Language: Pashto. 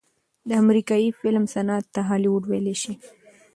د امريکې فلمي صنعت ته هالي وډ وئيلے شي